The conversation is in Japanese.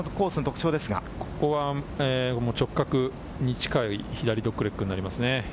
ここは直角に近い、左ドッグレッグになります。